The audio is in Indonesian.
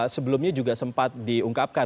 sebelumnya juga sempat diungkapkan